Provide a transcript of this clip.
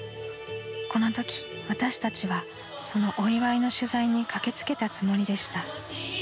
［このとき私たちはそのお祝いの取材に駆け付けたつもりでした］